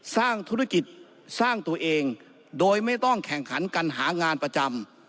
สร้างธุรกิจสร้างตัวเองโดยไม่ต้องแข่งขันกันหางานประจำ